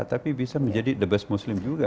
tapi bisa menjadi orang muslim juga kan